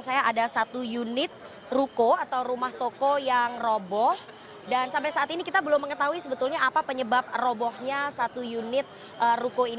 saya ada satu unit ruko atau rumah toko yang roboh dan sampai saat ini kita belum mengetahui sebetulnya apa penyebab robohnya satu unit ruko ini